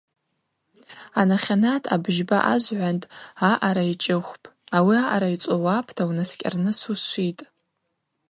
Анахьанат абыжьба ажвгӏванд аъара йчӏыхвпӏ, ауи аъара йцӏолапӏта – унаскӏьарныс ушвитӏ.